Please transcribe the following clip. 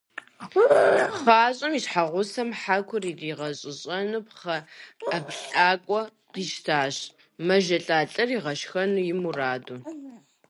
ПхъащӀэм и щхьэгъусэм хьэкур иризэщӀищӀэну пхъэ ӀэплӀакӀуэ къищтащ, мэжэлӀа лӀыр игъэшхэну и мураду.